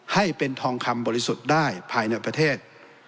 ให้เป็นทองคำบริสุทธิ์ได้ภายในประเทศ